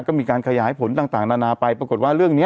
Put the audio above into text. ก็มีการขยายผลต่างนานาไปปรากฏว่าเรื่องนี้